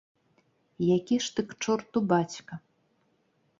Які ж ты к чорту бацька!